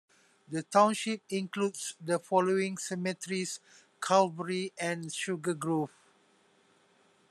The township includes the following cemeteries: Calvary and Sugar Grove.